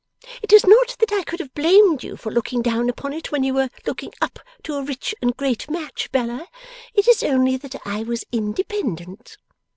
It is not that I could have blamed you for looking down upon it, when you were looking up to a rich and great match, Bella; it is only that I was independent.